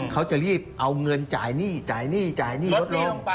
เขาจะรีบเอาเงินจ่ายหนี้จ่ายหนี้จ่ายหนี้ลดลง